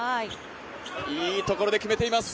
いいところで決めています。